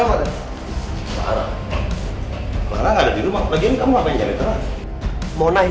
kelar gak ada di rumah